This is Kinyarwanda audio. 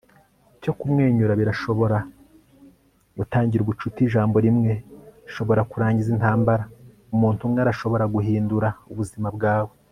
iyo kumwenyura birashobora gutangira ubucuti. ijambo rimwe rishobora kurangiza intambara. umuntu umwe arashobora guhindura ubuzima bwawe